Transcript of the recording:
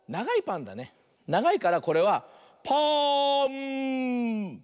ながいからこれは「パーンー」。